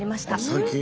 最近？